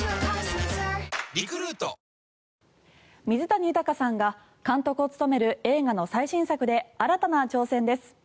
水谷豊さんが監督を務める映画の最新作で新たな挑戦です。